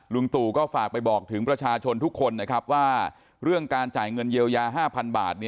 ตู่ก็ฝากไปบอกถึงประชาชนทุกคนนะครับว่าเรื่องการจ่ายเงินเยียวยา๕๐๐บาท